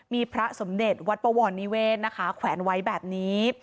มีพระสมเด็จวัดปวรนิเวศนะคะแขวนไว้แบบนี้